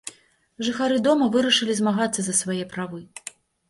Жыхары дома вырашылі змагацца за свае правы.